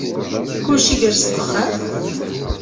Kullec igerrez deg uxxam?